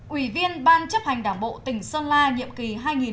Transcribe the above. ủy viên ban chấp hành đảng bộ tỉnh sơn la nhiệm kỳ hai nghìn hai mươi hai nghìn hai mươi